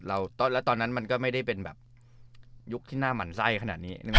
แล้วตอนนั้นมันก็ไม่ได้เป็นแบบยุคที่หน้าหมั่นไส้ขนาดนี้